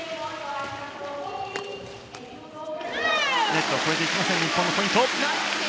ネットを越えていきません日本、ポイント。